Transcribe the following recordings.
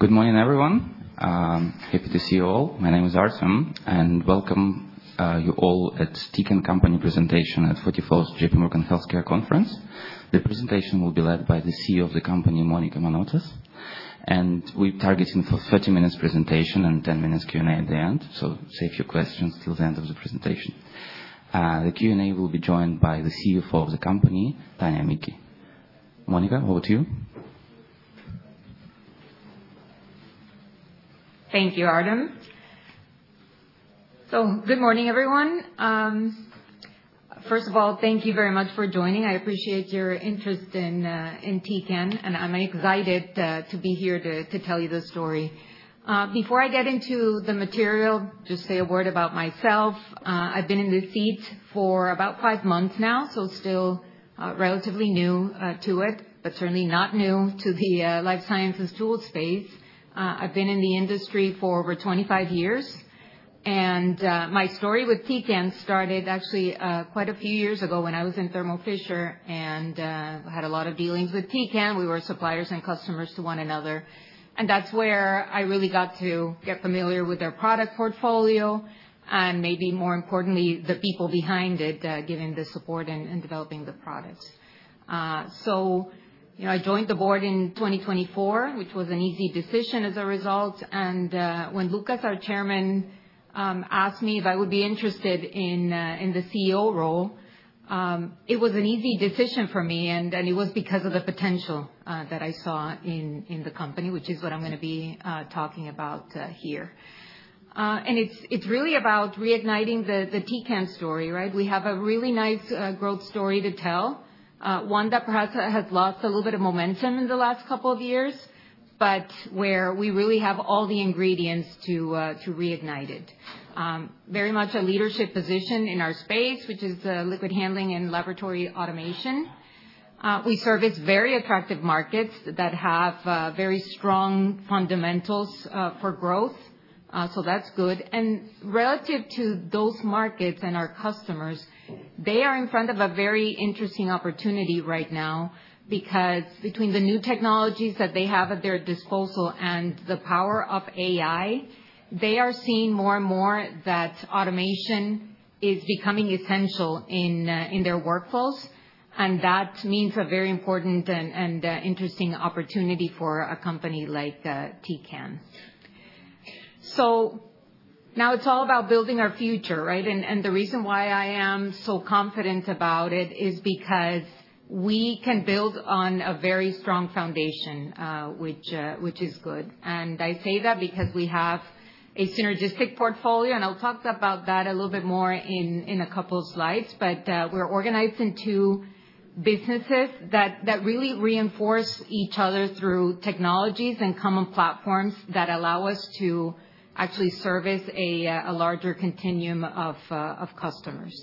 Good morning, everyone. Happy to see you all. My name is Arsim, and welcome you all at the Tecan Company presentation at 44th JPMorgan Healthcare Conference. The presentation will be led by the CEO of the company, Monica Manotas, and we're targeting for a 30-minute presentation and a 10-minute Q&A at the end, so save your questions till the end of the presentation. The Q&A will be joined by the CFO of the company, Tania Micki. Monica, over to you. Thank you, Arsim. So good morning, everyone. First of all, thank you very much for joining. I appreciate your interest in Tecan, and I'm excited to be here to tell you the story. Before I get into the material, just say a word about myself. I've been in this seat for about five months now, so still relatively new to it, but certainly not new to the life sciences tool space. I've been in the industry for over 25 years, and my story with Tecan started actually quite a few years ago when I was in Thermo Fisher and had a lot of dealings with Tecan. We were suppliers and customers to one another, and that's where I really got to get familiar with their product portfolio and maybe more importantly, the people behind it, giving the support and developing the products. So I joined the board in 2024, which was an easy decision as a result, and when Lukas, our chairman, asked me if I would be interested in the CEO role, it was an easy decision for me, and it was because of the potential that I saw in the company, which is what I'm going to be talking about here. And it's really about reigniting the Tecan story, right? We have a really nice growth story to tell, one that perhaps has lost a little bit of momentum in the last couple of years, but where we really have all the ingredients to reignite it. Very much a leadership position in our space, which is liquid handling and laboratory automation. We service very attractive markets that have very strong fundamentals for growth, so that's good. And relative to those markets and our customers, they are in front of a very interesting opportunity right now because between the new technologies that they have at their disposal and the power of AI, they are seeing more and more that automation is becoming essential in their workflows, and that means a very important and interesting opportunity for a company like Tecan. So now it's all about building our future, right? And the reason why I am so confident about it is because we can build on a very strong foundation, which is good. And I say that because we have a synergistic portfolio, and I'll talk about that a little bit more in a couple of slides, but we're organized in two businesses that really reinforce each other through technologies and common platforms that allow us to actually service a larger continuum of customers.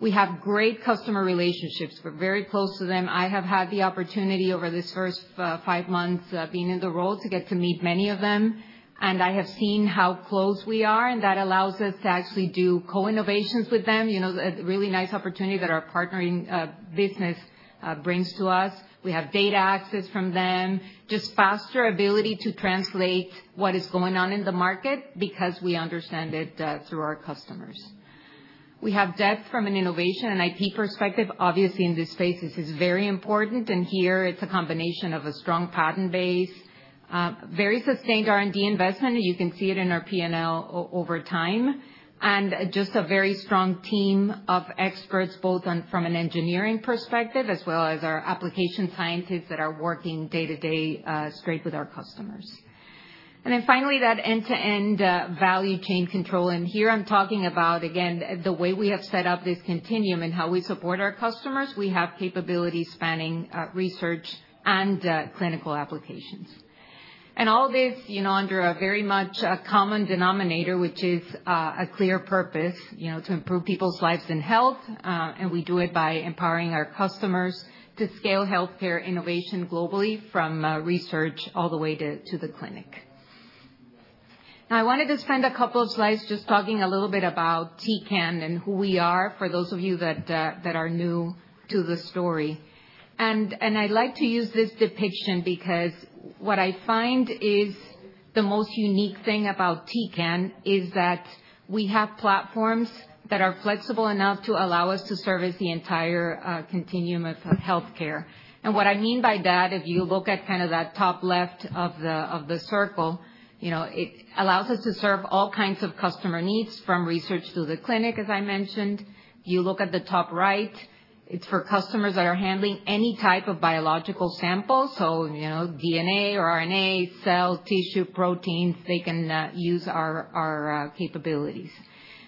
We have great customer relationships. We're very close to them. I have had the opportunity over this first five months being in the role to get to meet many of them, and I have seen how close we are, and that allows us to actually do co-innovations with them. A really nice opportunity that our partnering business brings to us. We have data access from them, just faster ability to translate what is going on in the market because we understand it through our customers. We have depth from an innovation and IP perspective. Obviously, in this space, this is very important, and here it's a combination of a strong patent base, very sustained R&D investment, and you can see it in our P&L over time, and just a very strong team of experts, both from an engineering perspective as well as our application scientists that are working day-to-day straight with our customers, and then finally, that end-to-end value chain control, and here I'm talking about, again, the way we have set up this continuum and how we support our customers. We have capabilities spanning research and clinical applications, and all this under a very much common denominator, which is a clear purpose to improve people's lives and health, and we do it by empowering our customers to scale healthcare innovation globally from research all the way to the clinic. Now, I wanted to spend a couple of slides just talking a little bit about Tecan and who we are for those of you that are new to the story. And I'd like to use this depiction because what I find is the most unique thing about Tecan is that we have platforms that are flexible enough to allow us to service the entire continuum of healthcare. And what I mean by that, if you look at kind of that top left of the circle, it allows us to serve all kinds of customer needs from research to the clinic, as I mentioned. If you look at the top right, it's for customers that are handling any type of biological sample, so DNA or RNA, cell tissue, proteins, they can use our capabilities.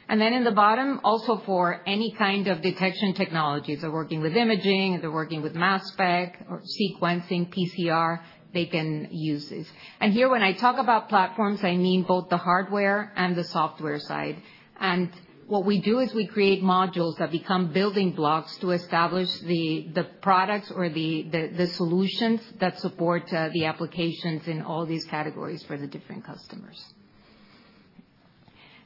And then in the bottom, also for any kind of detection technologies. They're working with imaging, they're working with mass spec, or sequencing, PCR, they can use this, and here when I talk about platforms, I mean both the hardware and the software side, and what we do is we create modules that become building blocks to establish the products or the solutions that support the applications in all these categories for the different customers,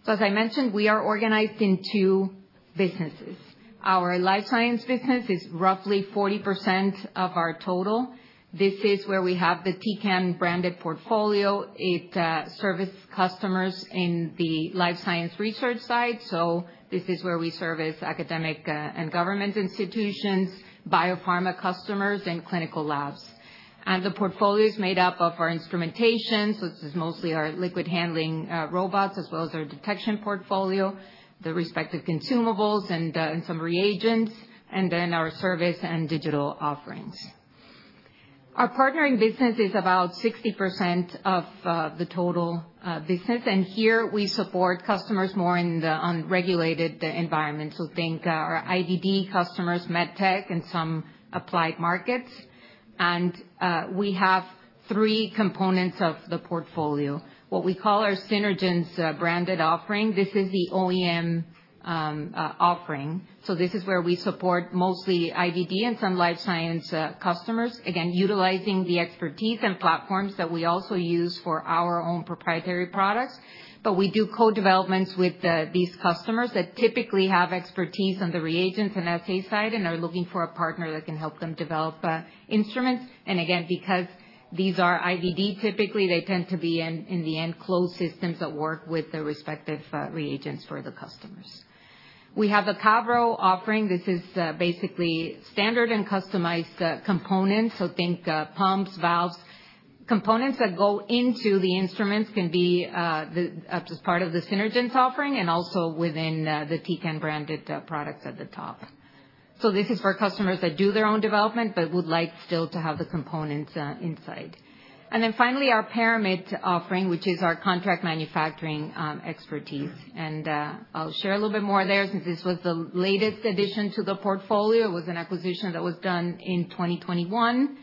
so as I mentioned, we are organized in two businesses. Our life science business is roughly 40% of our total. This is where we have the Tecan branded portfolio. It serves customers in the life science research side, so this is where we service academic and government institutions, biopharma customers, and clinical labs. And the portfolio is made up of our instrumentation, so this is mostly our liquid handling robots as well as our detection portfolio, the respective consumables and some reagents, and then our service and digital offerings. Our partnering business is about 60% of the total business, and here we support customers more in the unregulated environment. So think our IVD customers, MedTech, and some applied markets. And we have three components of the portfolio. What we call our Synergence branded offering, this is the OEM offering. So this is where we support mostly IVD and some life science customers, again, utilizing the expertise and platforms that we also use for our own proprietary products. But we do co-developments with these customers that typically have expertise on the reagents and assay side and are looking for a partner that can help them develop instruments. Again, because these are IVD, typically they tend to be in the end closed systems that work with the respective reagents for the customers. We have the Cavro offering. This is basically standard and customized components, so think pumps, valves. Components that go into the instruments can be just part of the Synergence offering and also within the Tecan branded products at the top. This is for customers that do their own development but would like still to have the components inside. Then finally, our Paramit offering, which is our contract manufacturing expertise. I'll share a little bit more there since this was the latest addition to the portfolio. It was an acquisition that was done in 2021,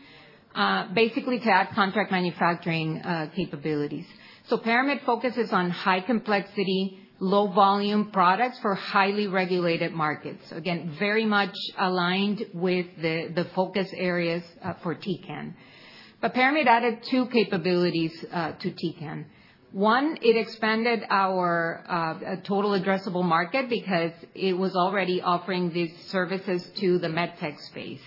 basically to add contract manufacturing capabilities. Paramit focuses on high complexity, low volume products for highly regulated markets. Again, very much aligned with the focus areas for Tecan. But Paramit added two capabilities to Tecan. One, it expanded our total addressable market because it was already offering these services to the MedTech space.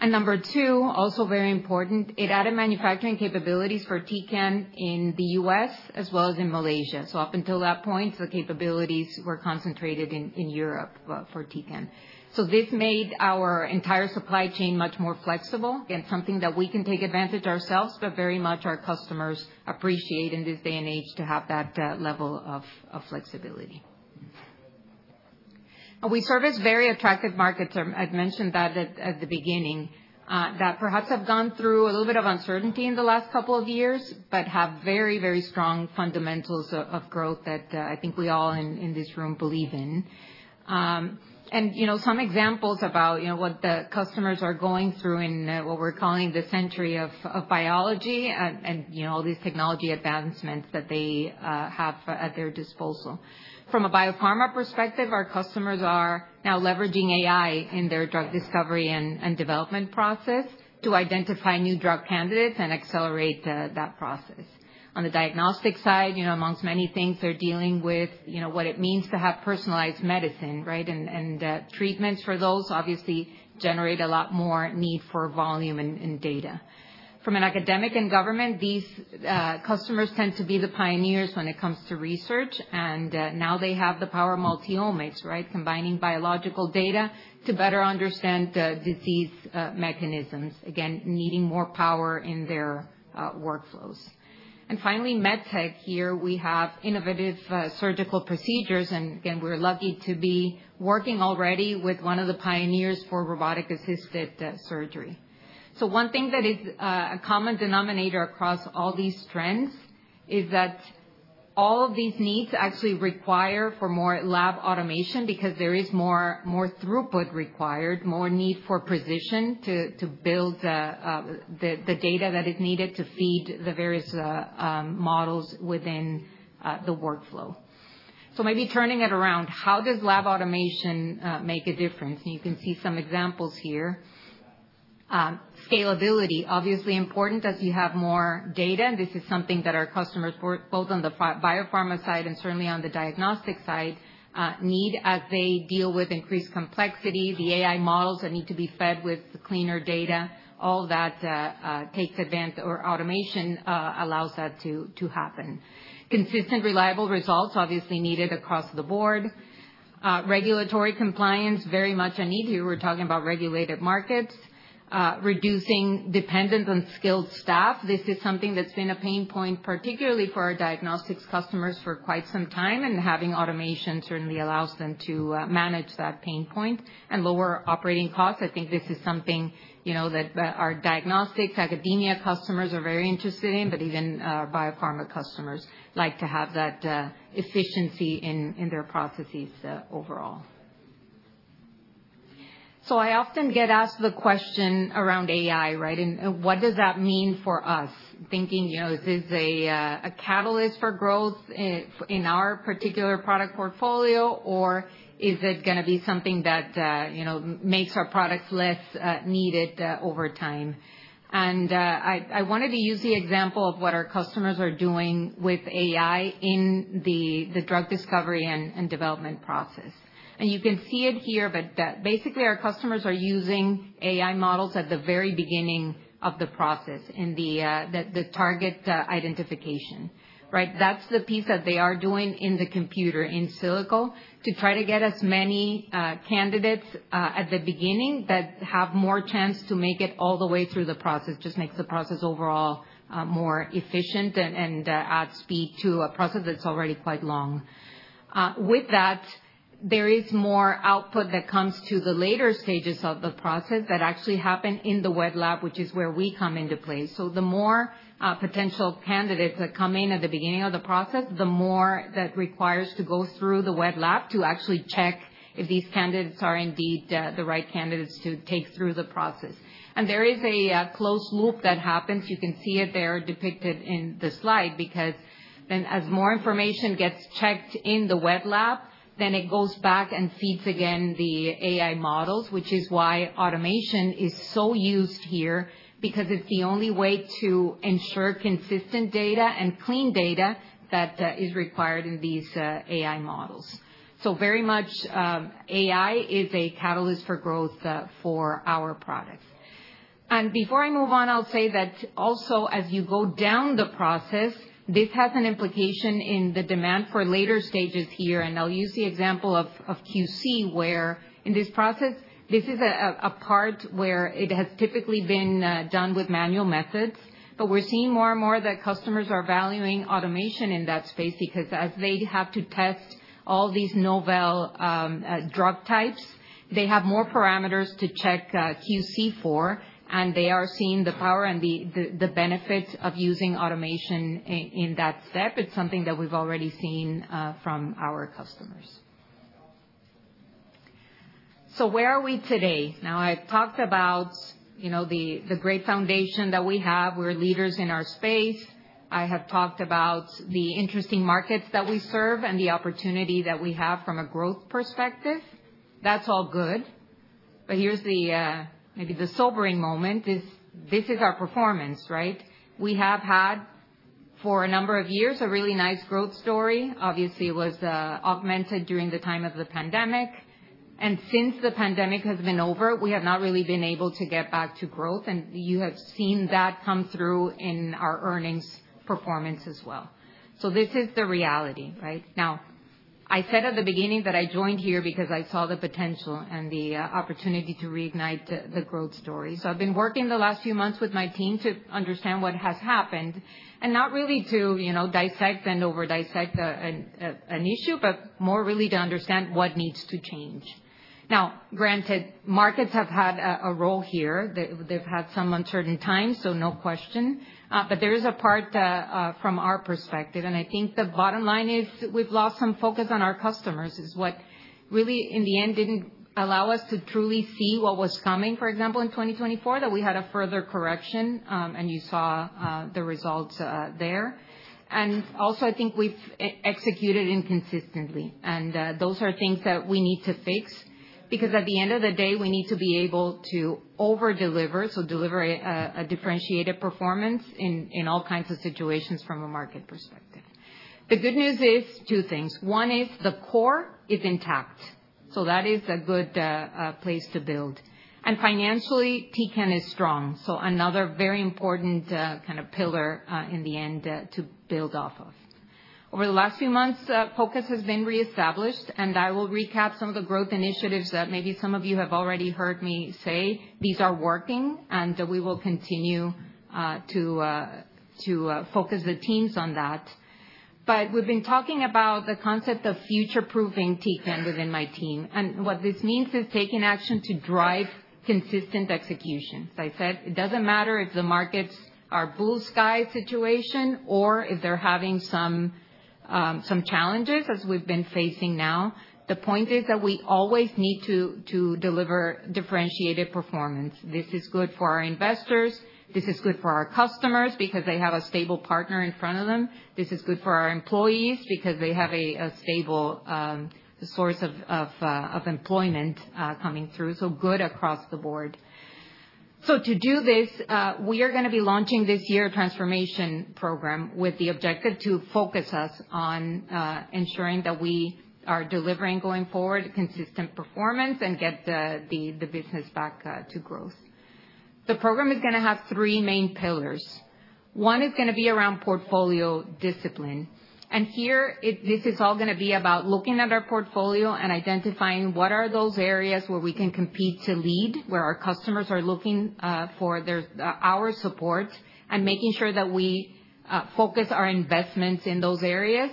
And number two, also very important, it added manufacturing capabilities for Tecan in the U.S. as well as in Malaysia. So up until that point, the capabilities were concentrated in Europe for Tecan. So this made our entire supply chain much more flexible. Again, something that we can take advantage of ourselves, but very much our customers appreciate in this day and age to have that level of flexibility. And we service very attractive markets. I've mentioned that at the beginning, that perhaps have gone through a little bit of uncertainty in the last couple of years, but have very, very strong fundamentals of growth that I think we all in this room believe in. And some examples about what the customers are going through in what we're calling the century of biology and all these technology advancements that they have at their disposal. From a biopharma perspective, our customers are now leveraging AI in their drug discovery and development process to identify new drug candidates and accelerate that process. On the diagnostic side, among many things, they're dealing with what it means to have personalized medicine, right? And treatments for those obviously generate a lot more need for volume and data. From an academic and government, these customers tend to be the pioneers when it comes to research, and now they have the power of multi-omics, right? Combining biological data to better understand disease mechanisms, again, needing more power in their workflows. And finally, MedTech. Here we have innovative surgical procedures, and again, we're lucky to be working already with one of the pioneers for robotic-assisted surgery. So one thing that is a common denominator across all these trends is that all of these needs actually require more lab automation because there is more throughput required, more need for precision to build the data that is needed to feed the various models within the workflow. So maybe turning it around, how does lab automation make a difference? And you can see some examples here. Scalability, obviously important as you have more data, and this is something that our customers, both on the biopharma side and certainly on the diagnostic side, need as they deal with increased complexity, the AI models that need to be fed with cleaner data. All that takes advantage or automation allows that to happen. Consistent, reliable results obviously needed across the board. Regulatory compliance, very much a need here. We're talking about regulated markets. Reducing dependence on skilled staff, this is something that's been a pain point, particularly for our diagnostics customers for quite some time, and having automation certainly allows them to manage that pain point and lower operating costs. I think this is something that our diagnostics, academia customers are very interested in, but even biopharma customers like to have that efficiency in their processes overall. So I often get asked the question around AI, right? And what does that mean for us? Thinking is this a catalyst for growth in our particular product portfolio, or is it going to be something that makes our products less needed over time? And I wanted to use the example of what our customers are doing with AI in the drug discovery and development process. You can see it here, but basically our customers are using AI models at the very beginning of the process in the target identification, right? That's the piece that they are doing in the computer in silico to try to get as many candidates at the beginning that have more chance to make it all the way through the process. It just makes the process overall more efficient and adds speed to a process that's already quite long. With that, there is more output that comes to the later stages of the process that actually happen in the wet lab, which is where we come into play. The more potential candidates that come in at the beginning of the process, the more that requires to go through the wet lab to actually check if these candidates are indeed the right candidates to take through the process. And there is a closed loop that happens. You can see it there depicted in the slide because then as more information gets checked in the wet lab, then it goes back and feeds again the AI models, which is why automation is so used here because it's the only way to ensure consistent data and clean data that is required in these AI models. So very much AI is a catalyst for growth for our products. And before I move on, I'll say that also as you go down the process, this has an implication in the demand for later stages here. I'll use the example of QC where in this process, this is a part where it has typically been done with manual methods, but we're seeing more and more that customers are valuing automation in that space because as they have to test all these novel drug types, they have more parameters to check QC for, and they are seeing the power and the benefits of using automation in that step. It's something that we've already seen from our customers. So where are we today? Now, I talked about the great foundation that we have. We're leaders in our space. I have talked about the interesting markets that we serve and the opportunity that we have from a growth perspective. That's all good. But here's maybe the sobering moment. This is our performance, right? We have had for a number of years a really nice growth story. Obviously, it was augmented during the time of the pandemic, and since the pandemic has been over, we have not really been able to get back to growth, and you have seen that come through in our earnings performance as well. So this is the reality, right? Now, I said at the beginning that I joined here because I saw the potential and the opportunity to reignite the growth story. So I've been working the last few months with my team to understand what has happened and not really to dissect and over-dissect an issue, but more really to understand what needs to change. Now, granted, markets have had a role here. They've had some uncertain times, so no question. But there is a part from our perspective, and I think the bottom line is we've lost some focus on our customers, is what really in the end didn't allow us to truly see what was coming. For example, in 2024, that we had a further correction, and you saw the results there. And also, I think we've executed inconsistently, and those are things that we need to fix because at the end of the day, we need to be able to over-deliver, so deliver a differentiated performance in all kinds of situations from a market perspective. The good news is two things. One is the core is intact. So that is a good place to build. And financially, Tecan is strong. So another very important kind of pillar in the end to build off of. Over the last few months, focus has been reestablished, and I will recap some of the growth initiatives that maybe some of you have already heard me say. These are working, and we will continue to focus the teams on that. But we've been talking about the concept of future-proofing Tecan within my team. And what this means is taking action to drive consistent execution. As I said, it doesn't matter if the markets are blue-sky situation or if they're having some challenges as we've been facing now. The point is that we always need to deliver differentiated performance. This is good for our investors. This is good for our customers because they have a stable partner in front of them. This is good for our employees because they have a stable source of employment coming through. So good across the board. So, to do this, we are going to be launching this year a transformation program with the objective to focus us on ensuring that we are delivering, going forward, consistent performance and get the business back to growth. The program is going to have three main pillars. One is going to be around portfolio discipline. And here, this is all going to be about looking at our portfolio and identifying what are those areas where we can compete to lead, where our customers are looking for our support, and making sure that we focus our investments in those areas.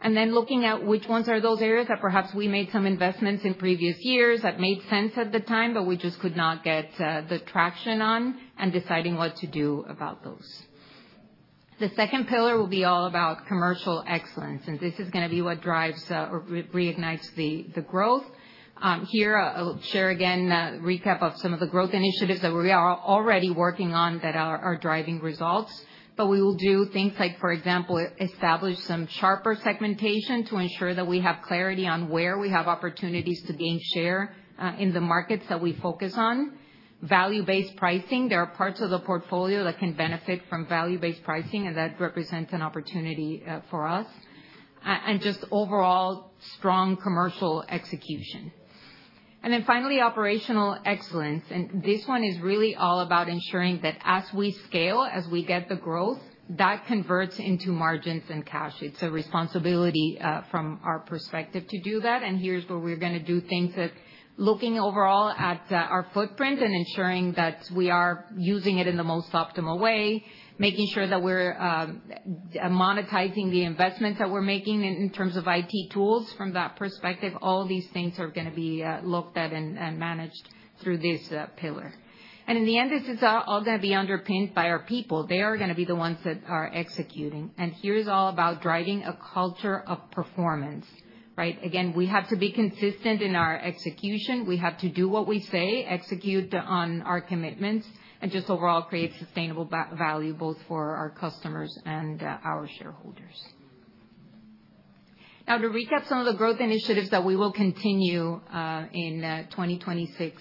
And then looking at which ones are those areas that perhaps we made some investments in previous years that made sense at the time, but we just could not get the traction on and deciding what to do about those. The second pillar will be all about commercial excellence, and this is going to be what drives or reignites the growth. Here, I'll share again a recap of some of the growth initiatives that we are already working on that are driving results. But we will do things like, for example, establish some sharper segmentation to ensure that we have clarity on where we have opportunities to gain share in the markets that we focus on. Value-based pricing. There are parts of the portfolio that can benefit from value-based pricing, and that represents an opportunity for us. And just overall strong commercial execution. And then finally, operational excellence. And this one is really all about ensuring that as we scale, as we get the growth, that converts into margins and cash. It's a responsibility from our perspective to do that. And here's where we're going to do things at looking overall at our footprint and ensuring that we are using it in the most optimal way, making sure that we're monetizing the investments that we're making in terms of IT tools. From that perspective, all these things are going to be looked at and managed through this pillar. And in the end, this is all going to be underpinned by our people. They are going to be the ones that are executing. And here's all about driving a culture of performance, right? Again, we have to be consistent in our execution. We have to do what we say, execute on our commitments, and just overall create sustainable value both for our customers and our shareholders. Now, to recap some of the growth initiatives that we will continue in 2026.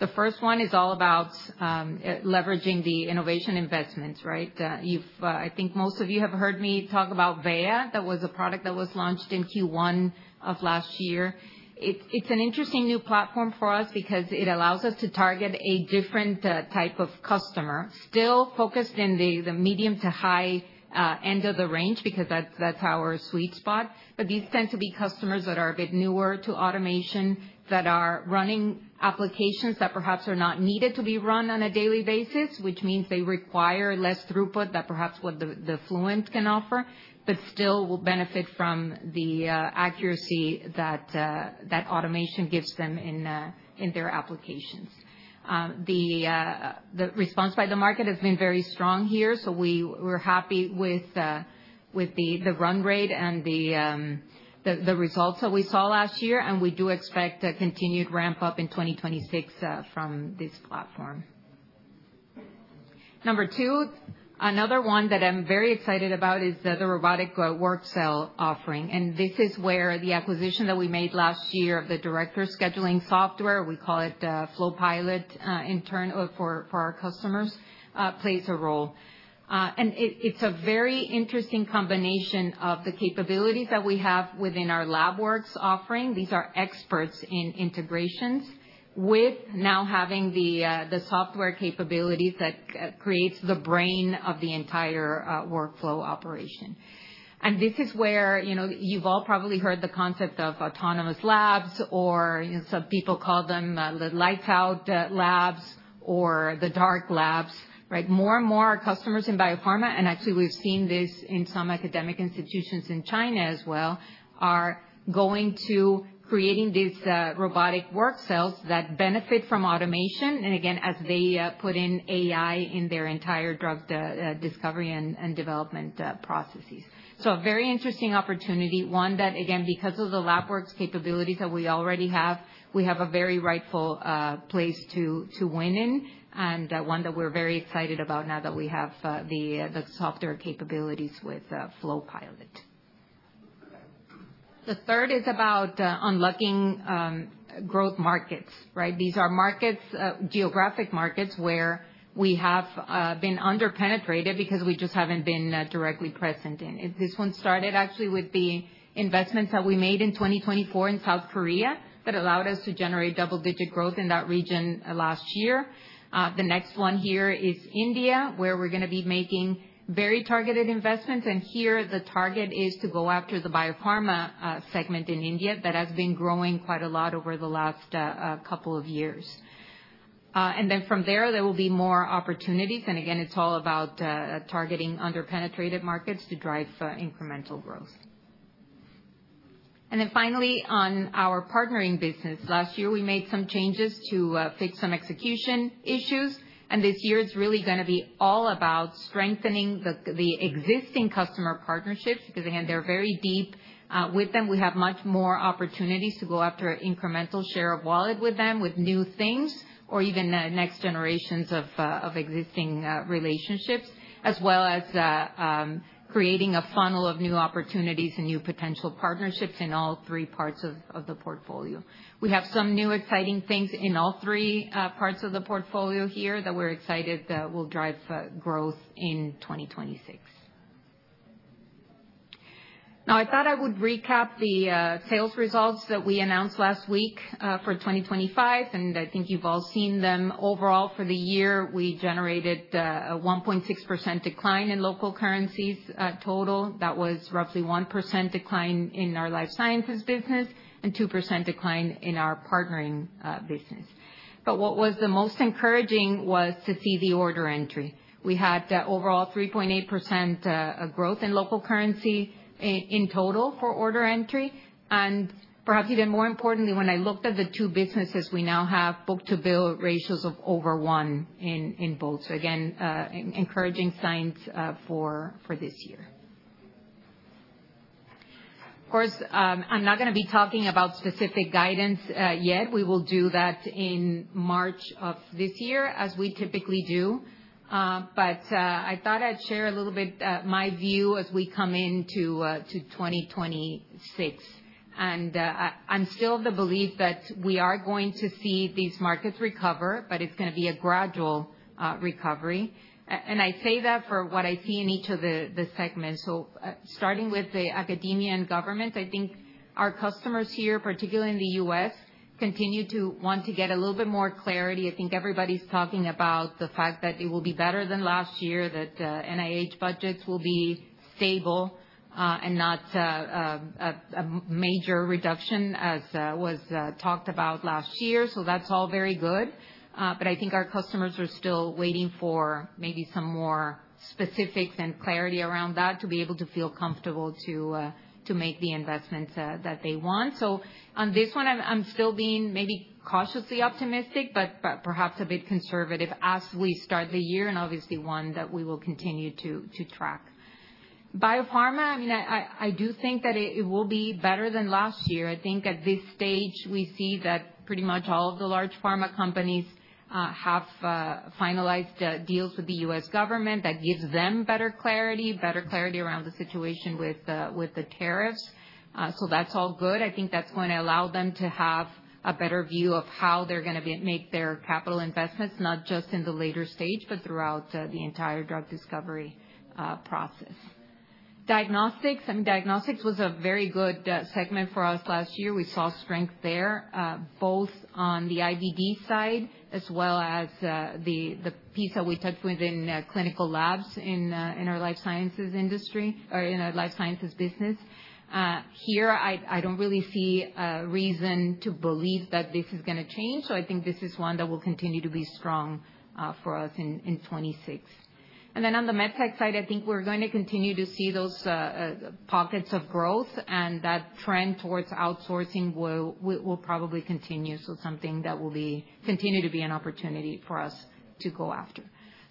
The first one is all about leveraging the innovation investments, right? I think most of you have heard me talk about Veya. That was a product that was launched in Q1 of last year. It's an interesting new platform for us because it allows us to target a different type of customer, still focused in the medium to high end of the range because that's our sweet spot. But these tend to be customers that are a bit newer to automation that are running applications that perhaps are not needed to be run on a daily basis, which means they require less throughput than perhaps what the Fluent can offer, but still will benefit from the accuracy that automation gives them in their applications. The response by the market has been very strong here, so we're happy with the run rate and the results that we saw last year, and we do expect a continued ramp-up in 2026 from this platform. Number two, another one that I'm very excited about is the robotic work cell offering. And this is where the acquisition that we made last year of the director scheduling software, we call it FlowPilot for our customers, plays a role. And it's a very interesting combination of the capabilities that we have within our Labwerx offering. These are experts in integrations with now having the software capabilities that creates the brain of the entire workflow operation. And this is where you've all probably heard the concept of autonomous labs, or some people call them the lights-out labs or the dark labs, right? More and more customers in biopharma, and actually we've seen this in some academic institutions in China as well, are going to creating these robotic work cells that benefit from automation. And again, as they put in AI in their entire drug discovery and development processes. So a very interesting opportunity, one that, again, because of the Labwerx capabilities that we already have, we have a very rightful place to win in and one that we're very excited about now that we have the software capabilities with FlowPilot. The third is about unlocking growth markets, right? These are geographic markets where we have been under-penetrated because we just haven't been directly present in. This one started actually with the investments that we made in 2024 in South Korea that allowed us to generate double-digit growth in that region last year. The next one here is India, where we're going to be making very targeted investments. Here, the target is to go after the biopharma segment in India that has been growing quite a lot over the last couple of years. Then from there, there will be more opportunities. Again, it's all about targeting under-penetrated markets to drive incremental growth. Then finally, on our partnering business, last year, we made some changes to fix some execution issues. This year, it's really going to be all about strengthening the existing customer partnerships because, again, they're very deep with them. We have much more opportunities to go after an incremental share of wallet with them with new things or even next generations of existing relationships, as well as creating a funnel of new opportunities and new potential partnerships in all three parts of the portfolio. We have some new exciting things in all three parts of the portfolio here that we're excited will drive growth in 2026. Now, I thought I would recap the sales results that we announced last week for 2025, and I think you've all seen them. Overall, for the year, we generated a 1.6% decline in local currencies total. That was roughly 1% decline in our life sciences business and 2% decline in our partnering business, but what was the most encouraging was to see the order entry. We had overall 3.8% growth in local currency in total for order entry, and perhaps even more importantly, when I looked at the two businesses, we now have book-to-bill ratios of over one in both, so again, encouraging signs for this year. Of course, I'm not going to be talking about specific guidance yet. We will do that in March of this year, as we typically do. But I thought I'd share a little bit of my view as we come into 2026. And I'm still of the belief that we are going to see these markets recover, but it's going to be a gradual recovery. And I say that for what I see in each of the segments. So starting with the academia and government, I think our customers here, particularly in the U.S., continue to want to get a little bit more clarity. I think everybody's talking about the fact that it will be better than last year, that NIH budgets will be stable and not a major reduction, as was talked about last year. So that's all very good. But I think our customers are still waiting for maybe some more specifics and clarity around that to be able to feel comfortable to make the investments that they want. So on this one, I'm still being maybe cautiously optimistic, but perhaps a bit conservative as we start the year and obviously one that we will continue to track. Biopharma, I mean, I do think that it will be better than last year. I think at this stage, we see that pretty much all of the large pharma companies have finalized deals with the U.S. government that gives them better clarity, better clarity around the situation with the tariffs. So that's all good. I think that's going to allow them to have a better view of how they're going to make their capital investments, not just in the later stage, but throughout the entire drug discovery process. Diagnostics, I mean, diagnostics was a very good segment for us last year. We saw strength there, both on the IVD side as well as the piece that we touched within clinical labs in our life sciences industry or in our life sciences business. Here, I don't really see a reason to believe that this is going to change. So I think this is one that will continue to be strong for us in 2026. And then on the med tech side, I think we're going to continue to see those pockets of growth, and that trend towards outsourcing will probably continue. So something that will continue to be an opportunity for us to go after.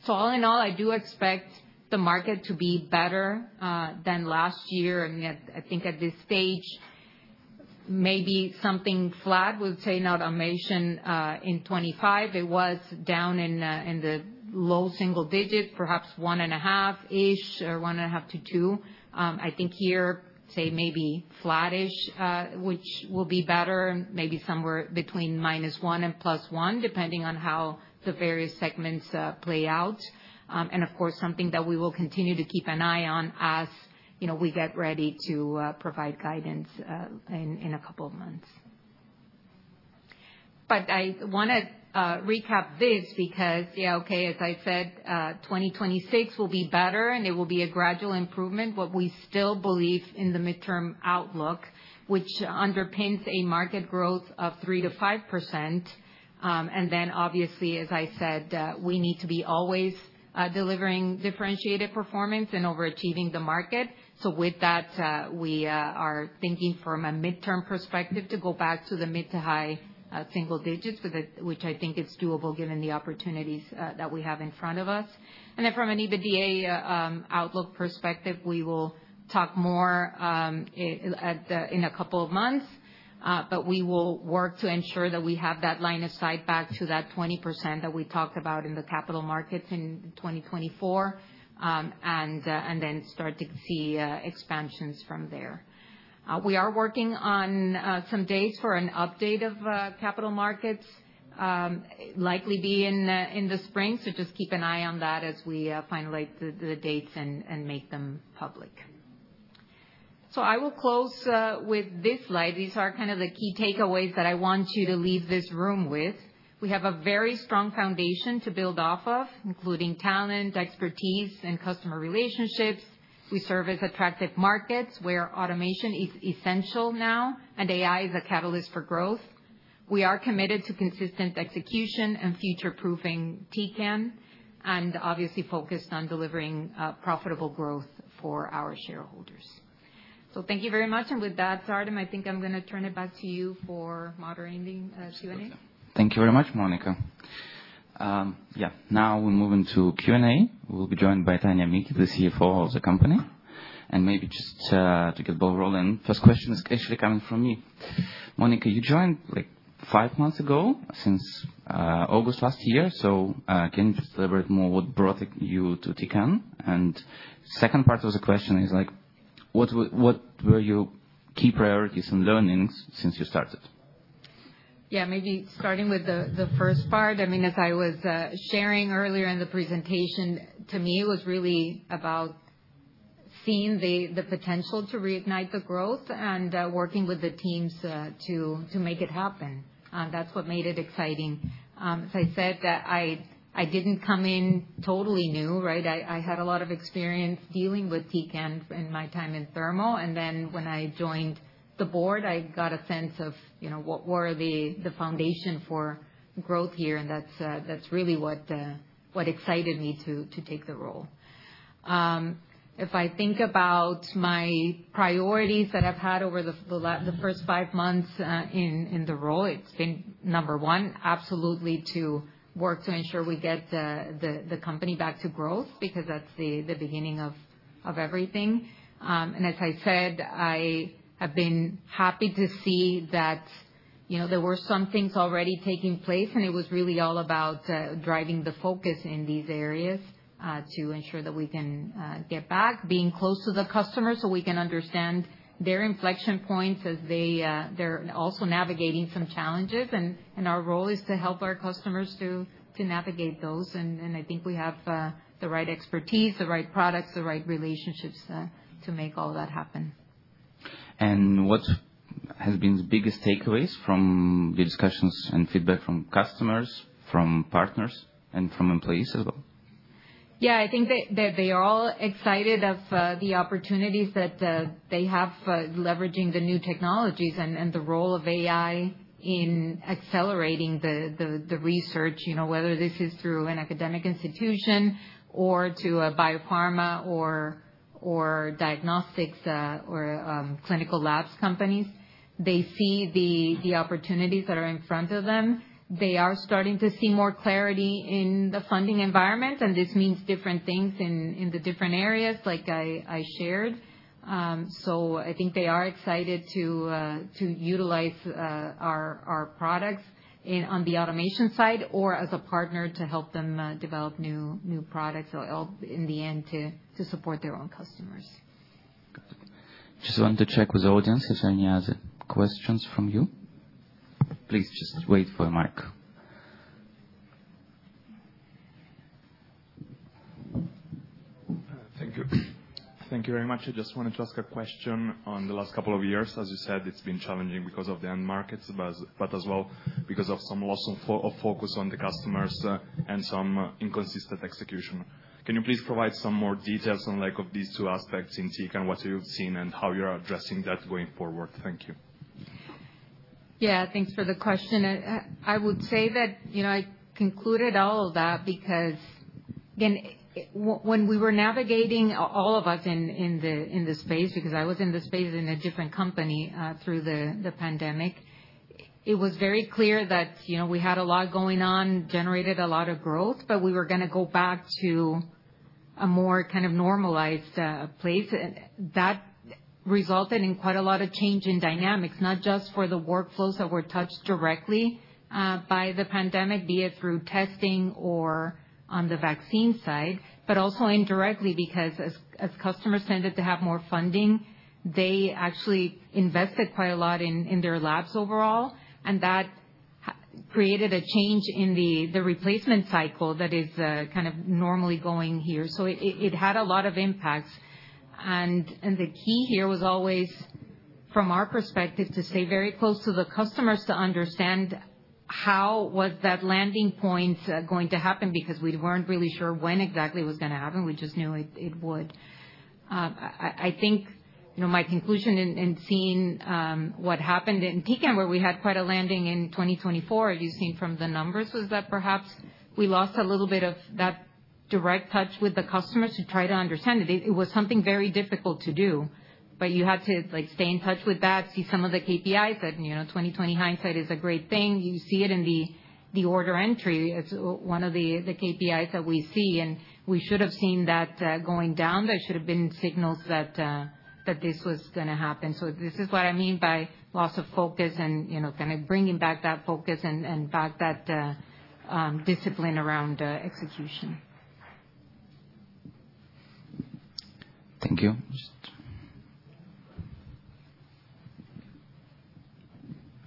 So all in all, I do expect the market to be better than last year. I mean, I think at this stage, maybe something flat would say in automation in 2025. It was down in the low single digit, perhaps one and a half-ish or one and a half to two. I think here, say maybe flattish, which will be better, maybe somewhere between minus one and plus one, depending on how the various segments play out. And of course, something that we will continue to keep an eye on as we get ready to provide guidance in a couple of months, but I want to recap this because, yeah, okay, as I said, 2026 will be better, and it will be a gradual improvement. What we still believe in the midterm outlook, which underpins a market growth of 3% to 5%. And then, obviously, as I said, we need to be always delivering differentiated performance and overachieving the market. So with that, we are thinking from a midterm perspective to go back to the mid to high single digits, which I think is doable given the opportunities that we have in front of us. And then from an EBITDA outlook perspective, we will talk more in a couple of months, but we will work to ensure that we have that line of sight back to that 20% that we talked about in the capital markets in 2024 and then start to see expansions from there. We are working on some dates for an update of capital markets, likely be in the spring. So just keep an eye on that as we finalize the dates and make them public. So I will close with this slide. These are kind of the key takeaways that I want you to leave this room with. We have a very strong foundation to build off of, including talent, expertise, and customer relationships. We serve as attractive markets where automation is essential now, and AI is a catalyst for growth. We are committed to consistent execution and future-proofing Tecan, and obviously focused on delivering profitable growth for our shareholders. So thank you very much. And with that, Arsim, I think I'm going to turn it back to you for moderating the Q&A. Thank you very much, Monica. Yeah, now we're moving to Q&A. We'll be joined by Tania Micki, the CFO of the company. And maybe just to get ball rolling, first question is actually coming from me. Monica, you joined like five months ago since August last year. So can you just elaborate more what brought you to Tecan? And the second part of the question is like, what were your key priorities and learnings since you started? Yeah, maybe starting with the first part. I mean, as I was sharing earlier in the presentation, to me, it was really about seeing the potential to reignite the growth and working with the teams to make it happen. And that's what made it exciting. As I said, I didn't come in totally new, right? I had a lot of experience dealing with Tecan in my time in Thermo. And then when I joined the board, I got a sense of what were the foundation for growth here. And that's really what excited me to take the role. If I think about my priorities that I've had over the first five months in the role, it's been number one, absolutely to work to ensure we get the company back to growth because that's the beginning of everything. And as I said, I have been happy to see that there were some things already taking place, and it was really all about driving the focus in these areas to ensure that we can get back, being close to the customers so we can understand their inflection points as they're also navigating some challenges. And our role is to help our customers to navigate those. And I think we have the right expertise, the right products, the right relationships to make all that happen. And what has been the biggest takeaways from the discussions and feedback from customers, from partners, and from employees as well? Yeah, I think that they are all excited of the opportunities that they have leveraging the new technologies and the role of AI in accelerating the research, whether this is through an academic institution or to a biopharma or diagnostics or clinical labs companies. They see the opportunities that are in front of them. They are starting to see more clarity in the funding environment, and this means different things in the different areas, like I shared. So I think they are excited to utilize our products on the automation side or as a partner to help them develop new products in the end to support their own customers. Just want to check with the audience if any other questions from you. Please just wait for a mic. Thank you. Thank you very much. I just wanted to ask a question on the last couple of years. As you said, it's been challenging because of the end markets, but as well because of some loss of focus on the customers and some inconsistent execution. Can you please provide some more details on these two aspects in Tecan, what you've seen, and how you're addressing that going forward? Thank you. Yeah, thanks for the question. I would say that I concluded all of that because, again, when we were navigating, all of us in the space, because I was in the space in a different company through the pandemic, it was very clear that we had a lot going on, generated a lot of growth, but we were going to go back to a more kind of normalized place. That resulted in quite a lot of change in dynamics, not just for the workflows that were touched directly by the pandemic, be it through testing or on the vaccine side, but also indirectly because as customers tended to have more funding, they actually invested quite a lot in their labs overall. And that created a change in the replacement cycle that is kind of normally going here. So it had a lot of impacts. And the key here was always, from our perspective, to stay very close to the customers to understand how was that landing point going to happen because we weren't really sure when exactly it was going to happen. We just knew it would. I think my conclusion in seeing what happened in TECN, where we had quite a landing in 2024, as you've seen from the numbers, was that perhaps we lost a little bit of that direct touch with the customers to try to understand it. It was something very difficult to do, but you had to stay in touch with that, see some of the KPIs that hindsight is 20/20. You see it in the order entry. It's one of the KPIs that we see. And we should have seen that going down. There should have been signals that this was going to happen. So this is what I mean by loss of focus and kind of bringing back that focus and back that discipline around execution. Thank you. Thank you,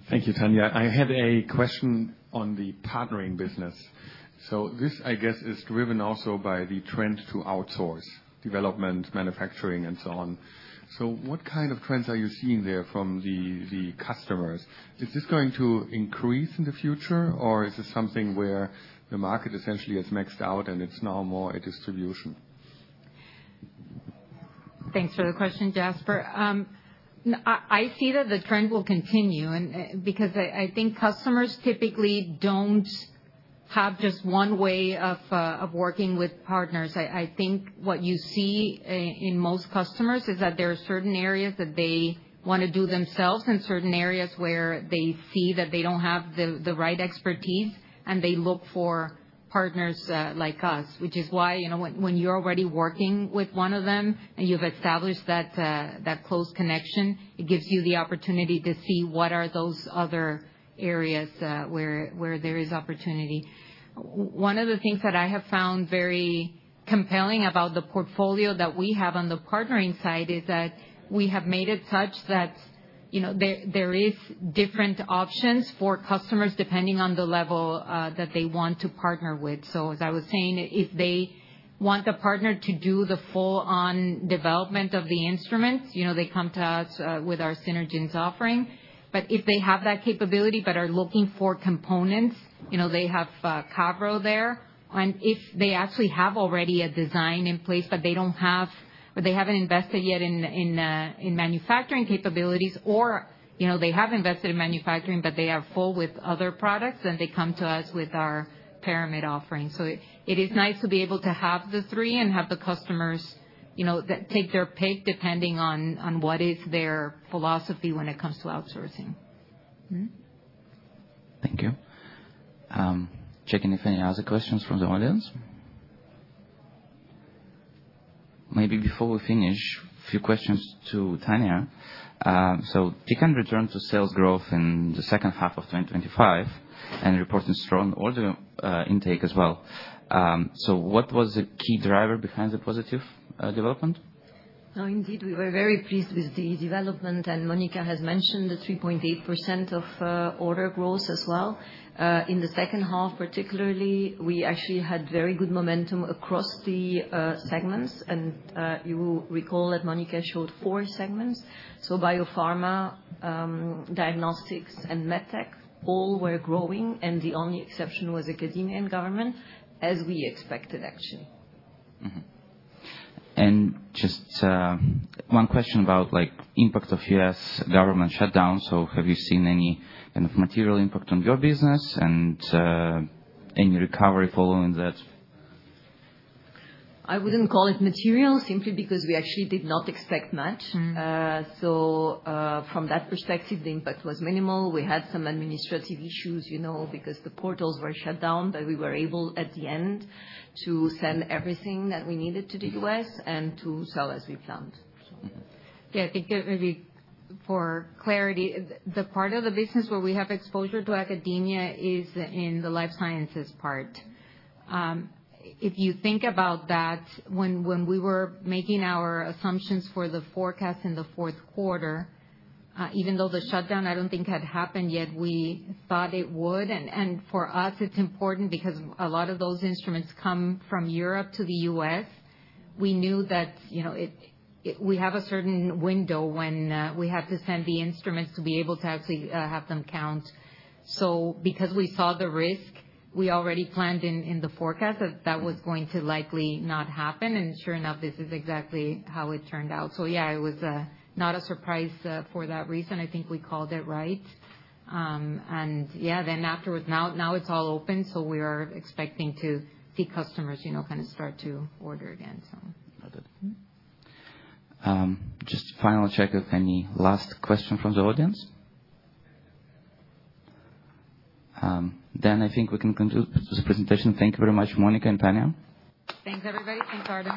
Tania. I had a question on the partnering business. So this, I guess, is driven also by the trend to outsource, development, manufacturing, and so on. So what kind of trends are you seeing there from the customers? Is this going to increase in the future, or is this something where the market essentially has maxed out and it's now more a distribution? Thanks for the question, Jasper. I see that the trend will continue because I think customers typically don't have just one way of working with partners. I think what you see in most customers is that there are certain areas that they want to do themselves and certain areas where they see that they don't have the right expertise, and they look for partners like us, which is why when you're already working with one of them and you've established that close connection, it gives you the opportunity to see what are those other areas where there is opportunity. One of the things that I have found very compelling about the portfolio that we have on the partnering side is that we have made it such that there are different options for customers depending on the level that they want to partner with, so as I was saying, if they want the partner to do the full-on development of the instruments, they come to us with our Synergence offering. But if they have that capability but are looking for components, they have Cavro there. And if they actually have already a design in place, but they don't have or they haven't invested yet in manufacturing capabilities, or they have invested in manufacturing, but they are full with other products, then they come to us with our Paramit offering. So it is nice to be able to have the three and have the customers take their pick depending on what is their philosophy when it comes to outsourcing. Thank you. Checking if any other questions from the audience. Maybe before we finish, a few questions to Tania. So Tecan returned to sales growth in the second half of 2025 and reporting strong order intake as well. So what was the key driver behind the positive development? No, indeed, we were very pleased with the development. Monica has mentioned the 3.8% of order growth as well. In the second half, particularly, we actually had very good momentum across the segments. You will recall that Monica showed four segments. Biopharma, diagnostics, and medtech all were growing, and the only exception was academia and government, as we expected, actually. Just one question about the impact of U.S. government shutdown. Have you seen any kind of material impact on your business and any recovery following that? I wouldn't call it material simply because we actually did not expect much. From that perspective, the impact was minimal. We had some administrative issues because the portals were shut down, but we were able at the end to send everything that we needed to the U.S. and to sell as we planned. Yeah, I think maybe for clarity, the part of the business where we have exposure to academia is in the life sciences part. If you think about that, when we were making our assumptions for the forecast in the fourth quarter, even though the shutdown, I don't think, had happened yet, we thought it would, and for us, it's important because a lot of those instruments come from Europe to the U.S. We knew that we have a certain window when we have to send the instruments to be able to actually have them count, so because we saw the risk, we already planned in the forecast that that was going to likely not happen, and sure enough, this is exactly how it turned out, so yeah, it was not a surprise for that reason. I think we called it right, and yeah, then afterwards, now it's all open. We are expecting to see customers kind of start to order again. Just final check of any last question from the audience. Then I think we can conclude this presentation. Thank you very much, Monica and Tania. Thanks, everybody. Thanks, Arsim.